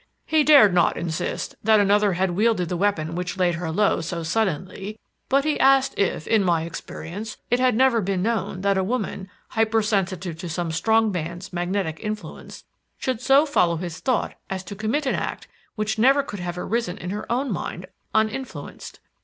He dared not insist that another had wielded the weapon which laid her low so suddenly, but he asked if, in my experience, it had never been known that a woman, hyper sensitive to some strong man's magnetic influence, should so follow his thought as to commit an act which never could have arisen in her own mind, uninfluenced.